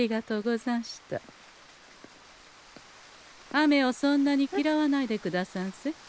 雨をそんなにきらわないでくださんせ。